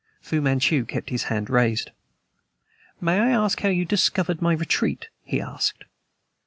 Fu Manchu kept his hand raised. "May I ask you how you discovered my retreat?" he asked.